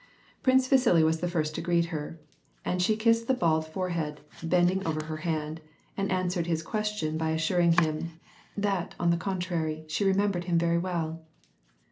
Prince Vasili was the first to greet her, and she kissed the bald forehead, bending over her hand, and answered his qvios tion by assuring him " That, on the contrary, she rememliered him very well."